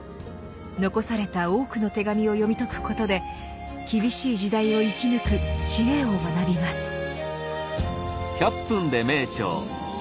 残された多くの手紙を読み解くことで厳しい時代を生き抜く知恵を学びます。